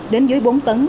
đến dưới bốn tấn